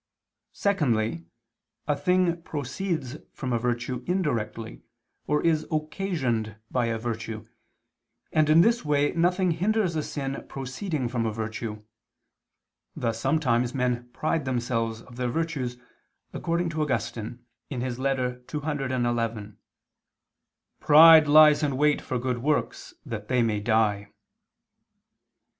Secondly, a thing proceeds from a virtue indirectly, or is occasioned by a virtue, and in this way nothing hinders a sin proceeding from a virtue: thus sometimes men pride themselves of their virtues, according to Augustine (Ep. ccxi): "Pride lies in wait for good works that they may die."